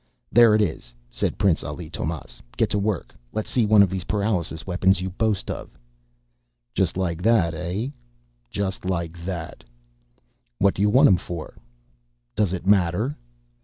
"There it is," said Prince Ali Tomás. "Get to work. Let's see one of these paralysis weapons you boast of." "Just like that, eh?" "Just like that." "What do you want 'em for?" "Does it matter?"